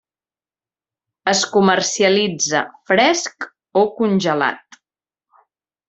Es comercialitza fresc o congelat.